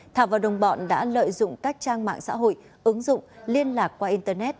thảo và đồng bọn đã lợi dụng các trang mạng xã hội ứng dụng liên lạc qua internet